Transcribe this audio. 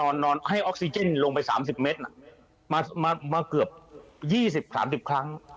นอนให้ออกซิเจนลงไป๓๐เมตรมาเกือบ๒๐๓๐ครั้ง